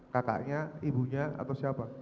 kakaknya ibunya atau siapa